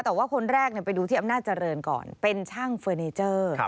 แต่ว่าคนแรกไปดูที่อำนาจเจริญก่อนเป็นช่างเฟอร์เนเจอร์